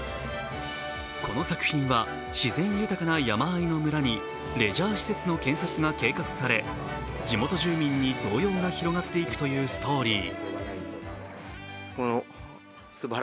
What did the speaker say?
この作品は自然豊かな山あいの村にレジャー施設の建設が計画され地元住民に動揺が広がっていくというストーリー。